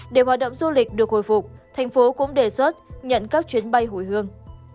để hoạt động du lịch được khôi phục tp hcm cũng đề xuất nhận các chuyến bay hồi hương